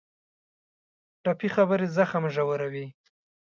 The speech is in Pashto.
ټپي خبرې زخم ژوروي.